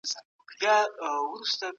فارسي ژبو خلکو او ایران ترمنځ یوه ګډه فرهنګي